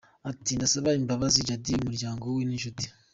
Ati "Ndasaba imbabazi Judy, umuryango we n’inshuti.